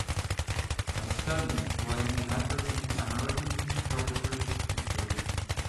A student playing an african american cultured instrument.